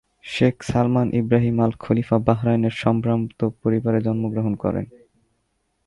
Sheikh Salman bin Ibrahim Al Khalifa বাহরাইনের সম্ভ্রান্ত পরিবারে জন্মগ্রহণ করেন।